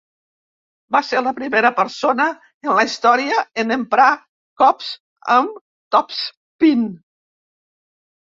Va ser la primera persona en la història en emprar cops amb topspin.